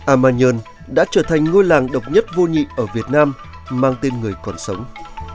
ai ma nhơn đã trở thành ngôi làng độc nhất vô nhị ở việt nam mang tên người còn sống